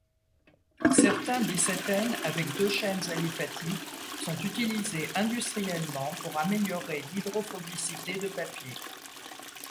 Certains dicétènes avec deux chaînes aliphatiques sont utilisées industriellement pour améliorer l'hydrophobicité de papiers.